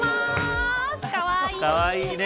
かわいいね。